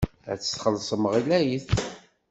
Ad tt-txellṣem ɣlayet.